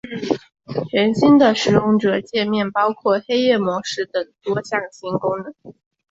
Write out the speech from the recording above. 全新的使用者界面包括黑夜模式等多项新功能。